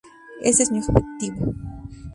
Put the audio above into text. Ese es mi objetivo".